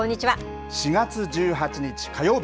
４月１８日火曜日。